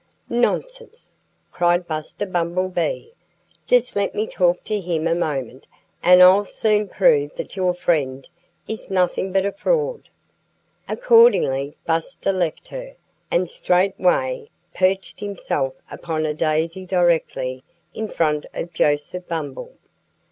"Nonsense!" cried Buster Bumblebee. "Just let me talk to him a moment, and I'll soon prove that your friend is nothing but a fraud." Accordingly Buster left her, and straightway perched himself upon a daisy directly in front of Joseph Bumble.